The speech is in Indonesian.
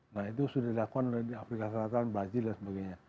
nah itu sudah dilakukan oleh di afrika selatan brazil dan sebagainya